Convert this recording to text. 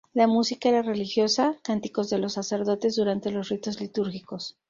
La música era religiosa, cánticos de los sacerdotes durante los ritos litúrgicos.